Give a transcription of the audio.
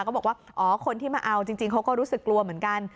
ก็บอกว่าอ๋อคนที่มาเอาจริงเขาก็รู้สึกกลัวเหมือนกัน